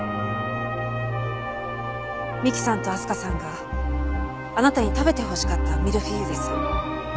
美希さんと明日香さんがあなたに食べてほしかったミルフィーユです。